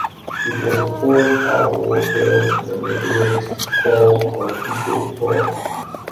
It was the first outdoor field in the major leagues to install artificial turf.